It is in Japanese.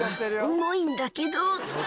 「重いんだけど」